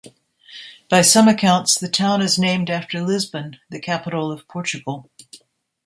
By some accounts, the town is named after Lisbon, the capital of Portugal.